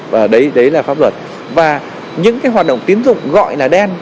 và đấy là pháp luật và những hoạt động tiến dụng gọi là đen